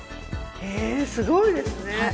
えすごいですね。